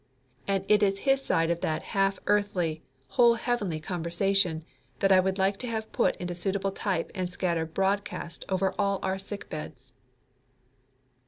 And it is his side of that half earthly, whole heavenly conversation that I would like to have put into suitable type and scattered broadcast over all our sick beds.